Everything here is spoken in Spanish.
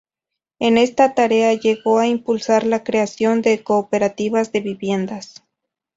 En esta tarea llegó a impulsar la creación de cooperativas de viviendas.